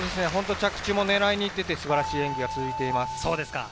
着地も狙いに行ってて素晴らしい演技が続いています。